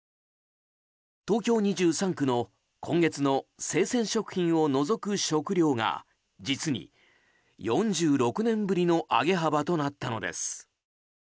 東京２３区の今月の生鮮食品を除く食料が実に４６年ぶりの上げ幅となったのです。